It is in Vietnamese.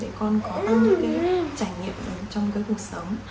để con có tất cả những trải nghiệm trong cuộc sống